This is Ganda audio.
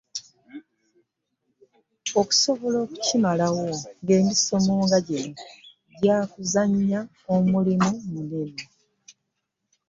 Okusobola okukimalawo ng'emisomo nga gino gya kuzannya omulimu munene.